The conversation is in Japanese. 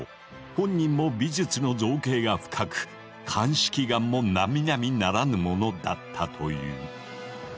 本人も美術の造詣が深く鑑識眼もなみなみならぬものだったという。